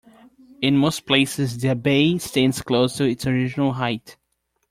In most places the abbey stands close to its original height.